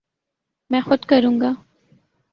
میں خود کروں گا